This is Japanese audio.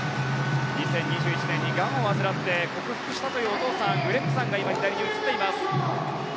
２０２１年にがんを患って克服したというお父さんが今、映っています。